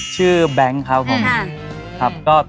ชื่อแบงก์เธอค่ะ